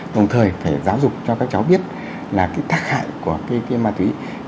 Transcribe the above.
đồng thời phải giáo dục cho các cháu biết là cái tác hại của ma túy